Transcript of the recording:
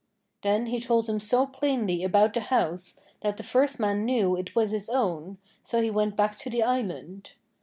Then he told him so plainly about the house that the first man knew it was his own, so he went back to the Island.